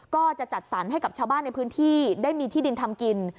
ก็จะจัดสรรให้กับชาวบ้านในพื้นที่ได้มีที่ดินทำกิน